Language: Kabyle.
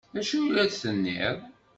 D acu ay la d-tenniḍ?